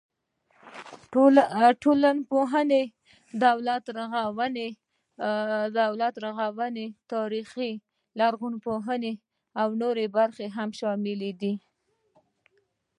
د ټولنپوهنې، دولت رغونې، تاریخ، لرغونپوهنې او نورې برخې هم شاملې دي.